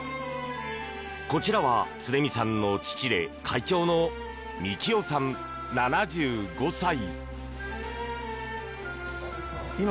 こちらは常見さんの父で会長の三喜男さん、７５歳。